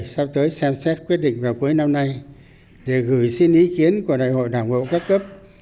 sắp tới xem xét quyết định vào cuối năm nay để gửi xin ý kiến của đại hội đảng bộ các cấp